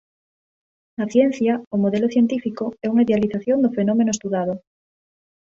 Na ciencia o modelo científico é unha idealización do fenómeno estudado.